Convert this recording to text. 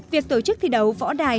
việc tổ chức thi đấu võ đài